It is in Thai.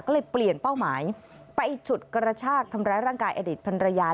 ก็เลยเปลี่ยนเป้าหมายไปฉุดกระชากทำร้ายร่างกายอดีตภรรยา